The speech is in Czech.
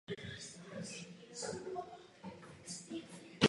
Pohovořte s hostem, Sullo.